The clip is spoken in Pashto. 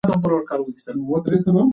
سهار وختي پاڅېدل ګټور دي.